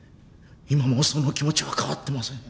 今もその気持ちは変わってません。